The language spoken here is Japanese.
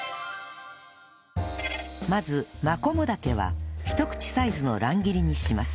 まずマコモダケはひと口サイズの乱切りにします